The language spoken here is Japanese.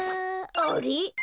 あれ？